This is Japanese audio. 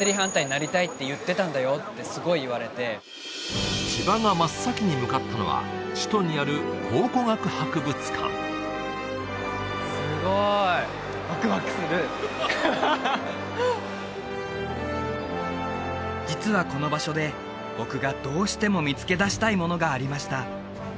「なりたいって言ってたんだよ」ってすごい言われて千葉が真っ先に向かったのは首都にある考古学博物館すごーいワクワクするハハハッ実はこの場所で僕がどうしても見つけ出したいものがありました